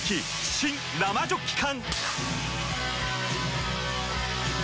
新・生ジョッキ缶！